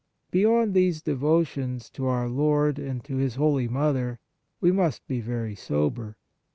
Beyond these devotions to our Lord and to His holy Mother, we must be very sober.